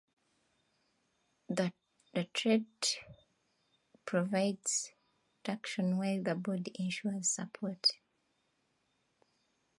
The tread provides traction while the body ensures support.